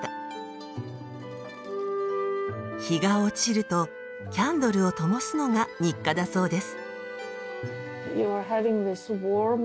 日が落ちるとキャンドルをともすのが日課だそうです。